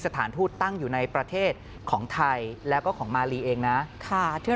สถานทูตตั้งอยู่ในประเทศของไทยแล้วก็ของมาลีเองนะ